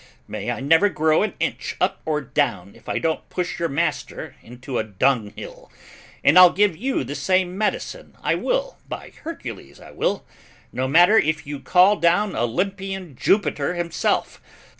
May I never grow an inch up or down if I don't push your master into a dunghill, and I'll give you the same medicine, I will, by Hercules, I will, no matter if you call down Olympian Jupiter himself!